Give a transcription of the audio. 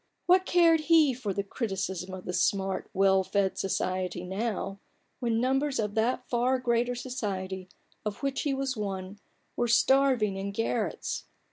What cared he for the criticism of the smart, well fed " Society " now, when numbers of that far greater society, of which he was one, were starving in garrets